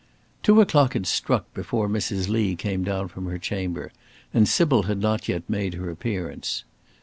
Two o'clock had struck before Mrs. Lee came down from her chamber, and Sybil had not yet made her appearance.